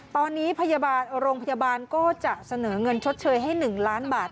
ตอนนี้พยาบาลโรงพยาบาลก็จะเสนอเงินชดเชยให้๑ล้านบาท